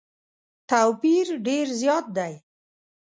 توپیر ډېر زیات دی.